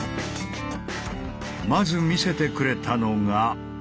まず見せてくれたのが。